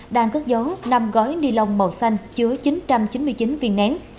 đang cất giấu năm gói ni lông màu xanh chứa chín trăm chín mươi chín viên nén